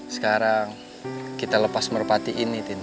sekarang kita lepas merpati ini